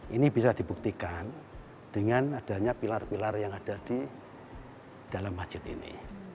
ini bisa dibuktikan dengan adanya pilar pilar yang ada di dalam masjid ini